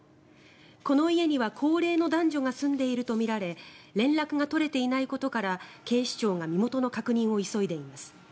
この家には高齢の男女が住んでいるとみられ連絡が取れていないことから警視庁が身元の確認を急いでいます。